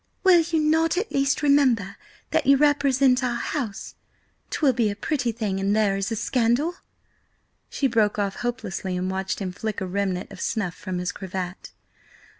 Will you not at least remember that you represent our house? 'Twill be a pretty thing an there is a scandal!" She broke off hopelessly and watched him flick a remnant of snuff from his cravat.